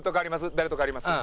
誰と代わります？